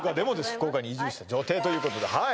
「福岡に移住した女帝」ということではい